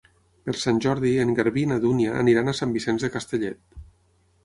Per Sant Jordi en Garbí i na Dúnia aniran a Sant Vicenç de Castellet.